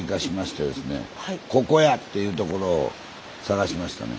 ここや！っていうところを探しましたね。